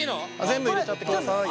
全部入れちゃってください。